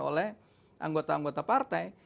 oleh anggota anggota partai